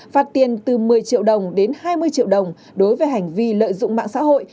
phạt tiền từ một mươi triệu đồng đến hai mươi triệu đồng đối với hành vi lợi dụng mạng xã hội